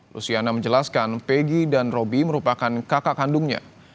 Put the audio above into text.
luciana menjelaskan peggy dan robi merupakan kakak kandungnya